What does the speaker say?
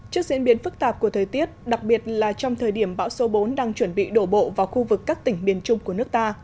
trước diễn biến phức tạp của thời tiết đặc biệt là trong thời điểm bão số bốn đang chuẩn bị đổ bộ vào khu vực các tỉnh miền trung của nước ta